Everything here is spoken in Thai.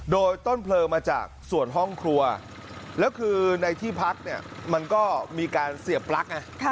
โดยต้นเพลิงมาจากส่วนห้องครัวแล้วคือในที่พักเนี่ยมันก็มีการเสียบปลั๊กไง